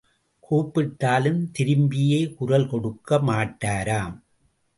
கூப்பிட்டாலும் திரும்பியே குரல் கொடுக்க மாட்டாராம்.